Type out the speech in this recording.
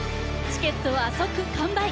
チケットは即完売。